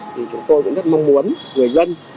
thì chúng tôi cũng rất mong muốn người dân